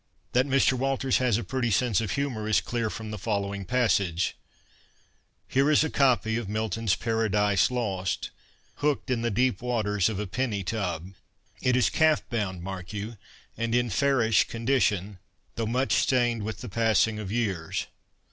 That Mr. Walters has a pretty sense of humour is clear from the following passage :' Here is a copy of Milton's Paradise Lost, " hooked " in the deep waters of a " penny tub." INTRODUCTION II It is calf bound, mark you, and in fairish condition, though much stained with the passing of years.